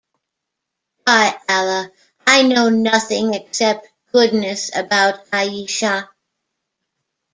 By Allah, I know nothing except goodness about Aisha.